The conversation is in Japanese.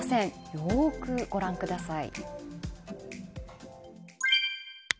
よくご覧ください。